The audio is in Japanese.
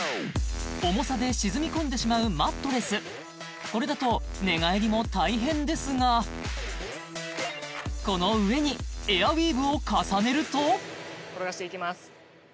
重さで沈み込んでしまうマットレスこれだと寝返りも大変ですがこの上にエアウィーヴを重ねると転がしていきます